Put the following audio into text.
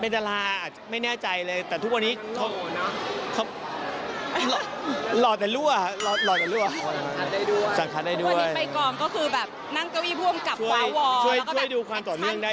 อ๋อนะคะพี่เขตกับภรรยาน่ารักมากเลยนะคะ